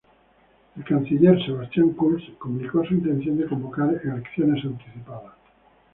El canciller Sebastian Kurz comunicó su intención de convocar elecciones anticipadas.